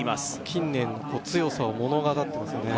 近年強さを物語ってますよね